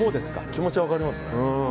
気持ちは分かりますね。